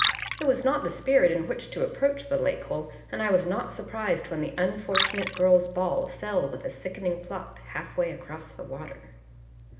It was not the spirit in which to approach the lake hole, and I was not surprised when the unfortunate girl's ball fell with a sickening plop half way across the water.